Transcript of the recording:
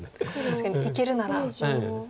確かにいけるなら。